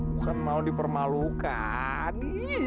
bukan mau dipermalukan